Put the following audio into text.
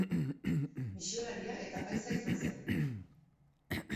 Misiolaria eta apaiza izan zen.